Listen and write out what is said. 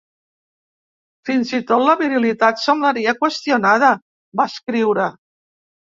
Fins i tot la virilitat semblaria qüestionada, va escriure.